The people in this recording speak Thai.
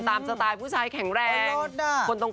สไตล์ผู้ชายแข็งแรง